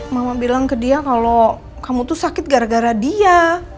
mama bilang ke dia kalau kamu tuh sakit gara gara dia